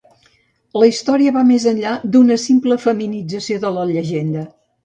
La història va més enllà d'una simple feminització de la llegenda.